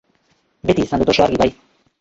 Beti izan dut oso argi, bai.